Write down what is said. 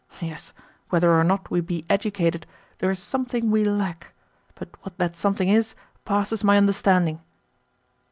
Yes, whether or not we be educated, there is something we lack. But what that something is passes my understanding."